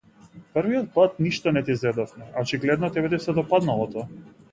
Првиот пат ништо не ти зедовме, а очигледно, тебе ти се допаднало тоа.